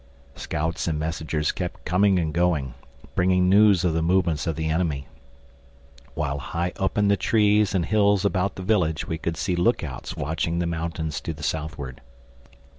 Scouts and messengers kept coming and going, bringing news of the movements of the enemy. While high up in the trees and hills about the village we could see look outs watching the mountains to the southward.